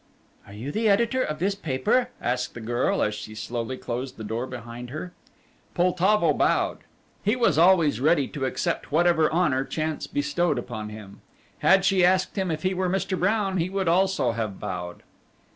"Are you the editor of this paper?" asked the girl, as she slowly closed the door behind her. Poltavo bowed. He was always ready to accept whatever honour chance bestowed upon him. Had she asked him if he were Mr. Brown, he would also have bowed.